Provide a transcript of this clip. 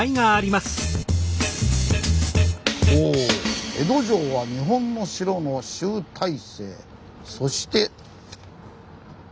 お「江戸城は日本の城の集大成！そして」。